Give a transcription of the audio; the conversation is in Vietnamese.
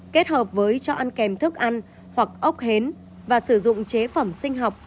kết hợp với cho ăn kèm thức ăn hoặc ốc hến và sử dụng chế phẩm sinh học